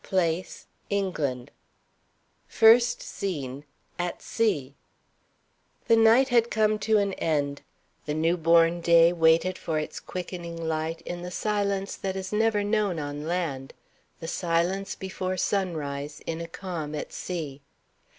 Place: ENGLAND. FIRST SCENE At Sea. The night had come to an end. The new born day waited for its quickening light in the silence that is never known on land the silence before sunrise, in a calm at sea.